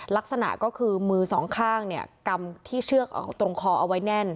ลักษณะก็คือมือสองข้างเนี่ยกำที่เชือกออกตรงคอเอาไว้แน่น